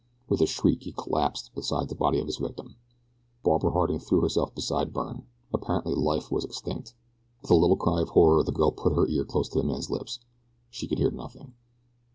With a shriek he collapsed beside the body of his victim. Barbara Harding threw herself beside Byrne. Apparently life was extinct. With a little cry of horror the girl put her ear close to the man's lips. She could hear nothing.